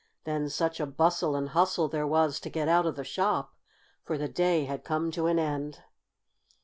Then such a bustle and hustle there was to get out of the shop; for the day had come to an end.